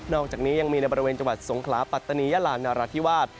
อกจากนี้ยังมีในบริเวณจังหวัดสงขลาปัตตานียาลานราธิวาส